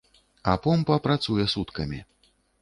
А помпа працуе суткамі.